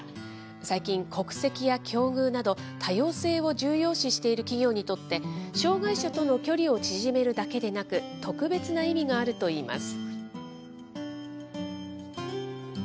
最近、国籍や境遇など、多様性を重要視している企業にとって、障害者との距離を縮めるだけでなく、特別な意味があるといいます。